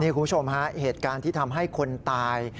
คุณผู้ชมฮะเหตุการณ์ที่ทำให้คนตาย